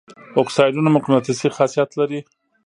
اکسایدونه مقناطیسي خاصیت لري.